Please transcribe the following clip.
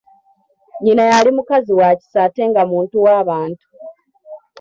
Nnyina yali mukazi wa kisa ate nga muntu wabantu.